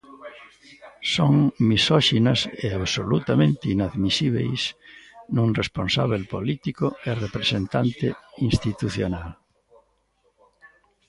Son misóxinas e absolutamente inadmisíbeis nun responsábel político e representante institucional.